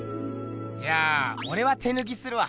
じゃあおれは手ぬきするわ。